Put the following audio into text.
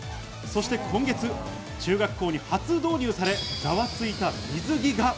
そして今月、中学校に初導入され、ザワついた水着が。